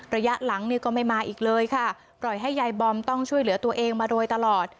ระยะหลังเนี่ยก็ไม่มาอีกเลยค่ะปล่อยให้ยายบอมต้องช่วยเหลือตัวเองมาโดยตลอด